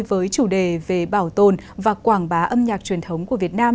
với chủ đề về bảo tồn và quảng bá âm nhạc truyền thống của việt nam